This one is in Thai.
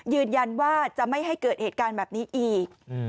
ยืนยันว่าจะไม่ให้เกิดเหตุการณ์แบบนี้อีก